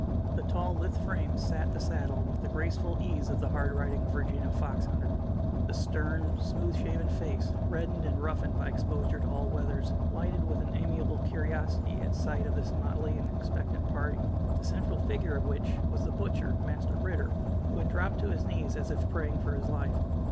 The tall, lithe frame sat the saddle with the graceful ease of the hard riding Virginia fox hunter. The stern, smooth shaven face, reddened and roughened by exposure to all weathers, lighted with an amiable curiosity at sight of this motley and expectant party, the central figure of which was the butcher, Master Ritter, who had dropped to his knees, as if praying for his life.